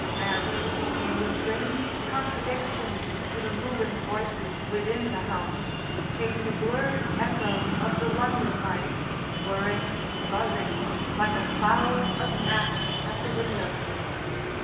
And, in strange contradiction to the moving voices within the house, came the blurred echo of the London life, whirring, buzzing, like a cloud of gnats at the window pane.